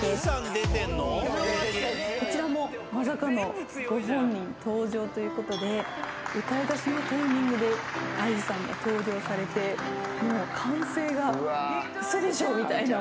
こちらもまさかのご本人登場ということで歌いだしのタイミングでＡＩさんが登場されてもう歓声が嘘でしょみたいな。